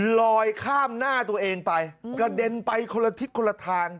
ลอยข้ามหน้าตัวเองไปกระเด็นไปคนละทิศคนละทาง